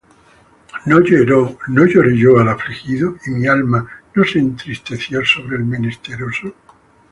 ¿No lloré yo al afligido? Y mi alma ¿no se entristeció sobre el menesteroso?